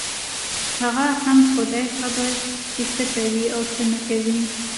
هغه هم خداى خبر چې څه کوي او څه نه کوي.